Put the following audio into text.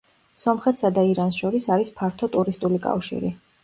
სომხეთსა და ირანს შორის არის ფართო ტურისტული კავშირი.